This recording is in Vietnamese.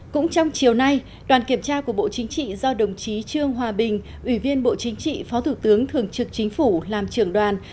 cũng trong chiều nay đoàn kiểm tra của bộ chính trị do đồng chí trương hòa bình ủy viên bộ chính trị phó thủ tướng thường trực chính phủ làm trưởng đoàn